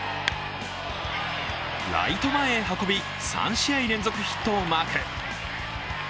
ライト前へ運び、３試合連続ヒットをマーク。